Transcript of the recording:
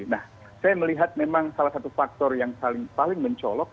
nah saya melihat memang salah satu faktor yang paling mencolok